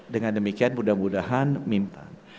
dengan demikian mudah mudahan minta